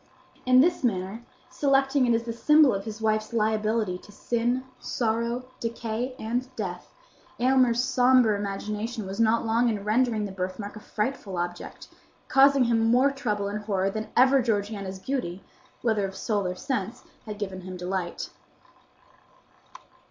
In this manner, selecting it as the symbol of his wife's liability to sin, sorrow, decay, and death, Aylmer's sombre imagination was not long in rendering the birthmark a frightful object, causing him more trouble and horror than ever Georgiana's beauty, whether of soul or sense, had given him delight.